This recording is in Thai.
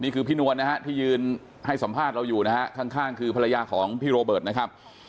พี่นวลนะฮะที่ยืนให้สัมภาษณ์เราอยู่นะฮะข้างคือภรรยาของพี่โรเบิร์ตนะครับ